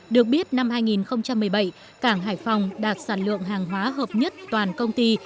được biết năm hai nghìn một mươi bảy cảng hải phòng đạt sản lượng hàng hóa hợp nhất toàn công ty